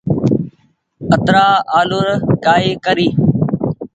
اترآ آلو ر ڪآئي ڪري ۔